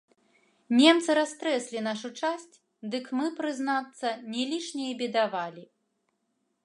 Немцы растрэслі нашу часць, дык мы, прызнацца, не лішне і бедавалі.